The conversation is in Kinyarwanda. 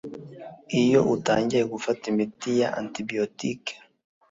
iyo utangiye gufata imiti ya antibiyotike